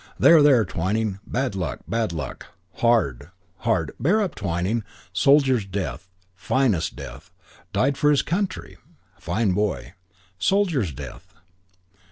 "There, there, Twyning. Bad luck. Bad luck. Hard. Hard. Bear up, Twyning. Soldier's death.... Finest death.... Died for his country.... Fine boy.... Soldier's death....